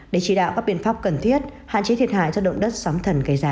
để chỉ đạo các biện pháp cần thiết hạn chế thiệt hại do động đất sóng thần gây ra